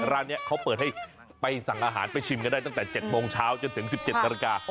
ร้านนี้เขาเปิดให้ไปสั่งอาหารไปชิมกันได้ตั้งแต่๗โมงเช้าจนถึง๑๗นาฬิกา